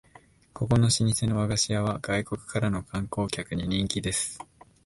ここの老舗の和菓子屋は外国からの観光客に人気です